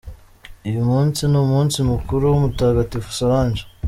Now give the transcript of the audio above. Uyu munsi ni umunsi mukuru wa Mutagatifu Solange.